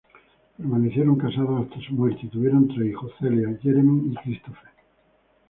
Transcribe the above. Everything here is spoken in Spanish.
Permanecieron casados hasta su muerte y tuvieron tres hijos: Celia, Jeremy y Christopher.